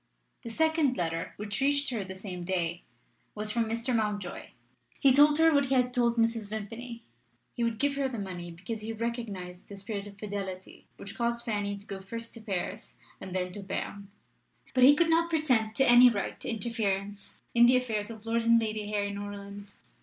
The second letter, which reached her the same day, was from Mr. Mountjoy. He told her what he had told Mrs. Vimpany: he would give her the money, because he recognised the spirit of fidelity which caused Fanny to go first to Paris and then to Berne. But he could not pretend to any right to interference in the affairs of Lord and Lady Harry Norland.